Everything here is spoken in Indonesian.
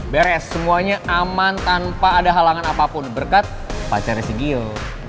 beres semuanya aman tanpa ada halangan apapun berkat pacar resigio